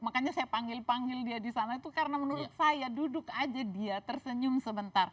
makanya saya panggil panggil dia di sana itu karena menurut saya duduk aja dia tersenyum sebentar